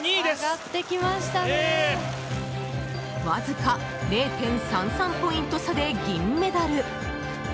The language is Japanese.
わずか０．３３ポイント差で銀メダル。